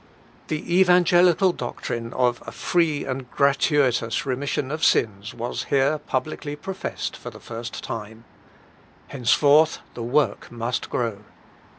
The evangelical doctrine of a free and gratuitous remission of sins was here publicly professed for the first time. Henceforth the work must grow.